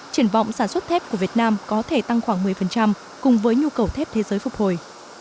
triển vọng sản xuất thép của việt nam có thể tăng khoảng một mươi cùng với nhu cầu thép thế giới phục hồi